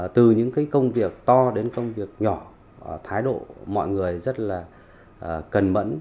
từ những công việc to đến công việc nhỏ thái độ mọi người rất là cẩn mẫn